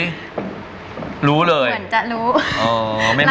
เหมือนจะรู้